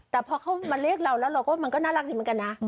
แต่พอเขามาเรียกเราแล้วเราก็มันก็น่ารักดีเหมือนกันนะ